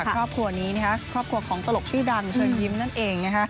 ครอบครัวนี้ครอบครัวของตลกชื่อดังเชิญยิ้มนั่นเอง